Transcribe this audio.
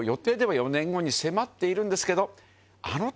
４年後に迫っているんですけど△了Ⅳ